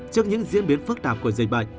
trước những diễn biến phức tạp của dịch bệnh